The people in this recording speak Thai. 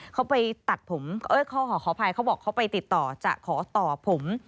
เขาไปตัดผมขออภัยเขาบอกเขาไปติดต่อจะขอต่อผม